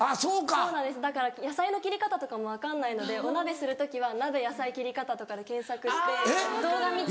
そうなんですだから野菜の切り方とかも分かんないのでお鍋する時は「鍋野菜切り方」とかで検索して動画見て。